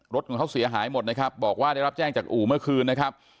รถของเขาเสียหายหมดนะครับบอกว่าได้รับแจ้งจากอู่เมื่อคืนนะครับ